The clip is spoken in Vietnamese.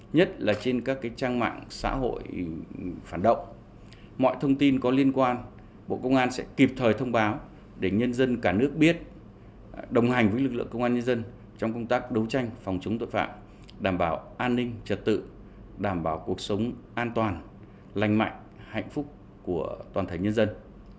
nhất là trên các trang mạng xã hội phản động mọi thông tin có liên quan bộ công an sẽ kịp thời thông báo để nhân dân cả nước biết đồng hành với lực lượng công an nhân dân trong công tác đấu tranh phòng chống tội phạm đảm bảo an ninh trật tự đảm bảo cuộc sống an toàn lành mạnh hạnh phúc của toàn thể nhân dân